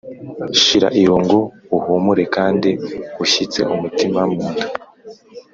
Shira irungu uhumure kandi ushyitse umutima munda